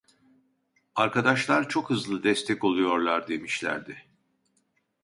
Arkadaşlar çok hızlı destek oluyorlar demişlerdi